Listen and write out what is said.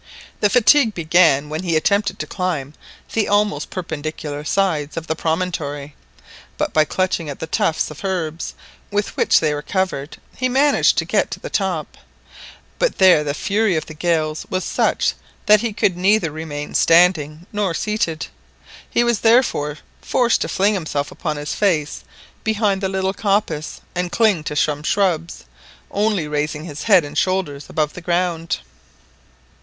The fatigue began when he attempted to climb the almost perpendicular sides of the promontory; but by clutching at the tufts of herbs with which they were covered, he managed to get to the top, but there the fury of the gale was such that he could neither remain standing nor seated; he was therefore forced to fling himself upon his face behind the little coppice and cling to some shrubs, only raising his head and shoulders above the ground.